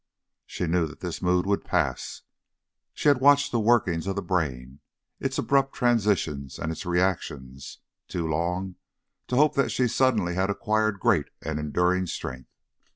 She knew that this mood would pass; she had watched the workings of the brain, its abrupt transitions and its reactions, too long to hope that she suddenly had acquired great and enduring strength.